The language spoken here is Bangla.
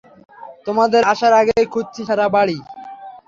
তোমাদের আসার আগেই খুঁজেছি সারা বাড়ি।